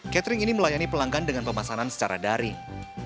catering ini melayani pelanggan dengan pemasanan secara daring